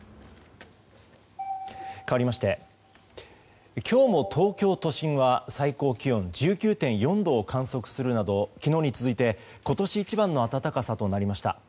かわりまして今日も東京都心は最高気温１９．４度を観測するなど昨日に続いて今年一番の暖かさとなりました。